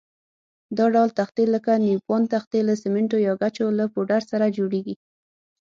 دا ډول تختې لکه نیوپان تختې له سمنټو یا ګچو له پوډر سره جوړېږي.